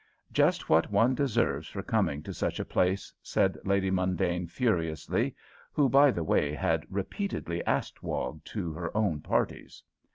"Just what one deserves for coming to such a place," said Lady Mundane furiously, who, by the way, had repeatedly asked Wog to her own parties.